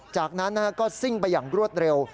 จากนั้นก็ซิ่งไปอย่างรวดเร็ว